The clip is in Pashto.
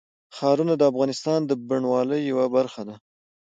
ښارونه د افغانستان د بڼوالۍ یوه برخه ده.